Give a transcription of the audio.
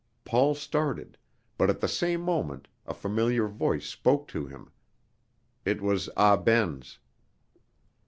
Paul started; but at the same moment a familiar voice spoke to him. It was Ah Ben's.